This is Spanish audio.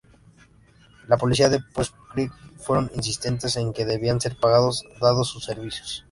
La policía de Poughkeepsie fueron insistentes en que debían ser pagados dados sus servicios.